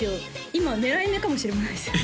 今狙い目かもしれないですよ